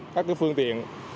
các phương tiện